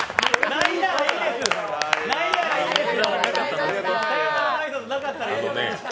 ないならいいんです！